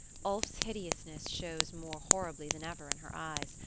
Ulf's hideousness shows more horribly than ever in her eyes.